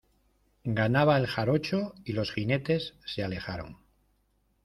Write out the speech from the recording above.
ganaba el jarocho, y los jinetes se alejaron: